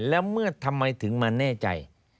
แล้วเมื่อทำไมถึงมาแน่ใจ